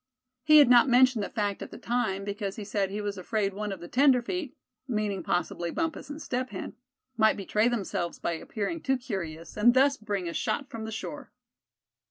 He had not mentioned the fact at the time, because he said he was afraid one of the "tenderfeet," meaning possibly Bumpus and Step Hen, might betray themselves by appearing too curious, and thus bring a shot from the shore.